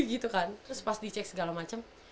gitu kan terus pas dicek segala macam